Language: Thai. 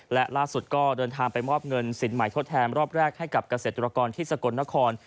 และล่าสุดก็เดินทางไปมอบเงินสินใหม่ทดแทนรอบแรกให้กับเกษตรกรที่สกลนคร